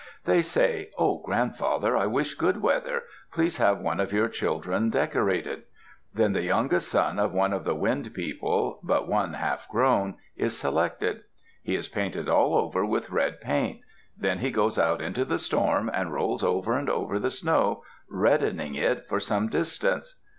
They say, "Oh, grandfather, I wish good weather. Please have one of your children decorated." Then the youngest son of one of the Wind People, but one half grown, is selected. He is painted all over with red paint. Then he goes out into the storm and rolls over and over the snow, reddening it for some distance.